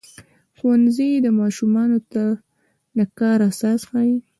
ښوونځی ماشومانو ته د کار اساس ښيي.